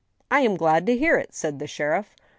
" I am glad to hear it," said the sheriff.